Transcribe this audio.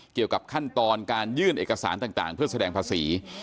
เกี่ยวกับขั้นตอนการยื่นเอกสารต่างเพื่อแสดงภาษี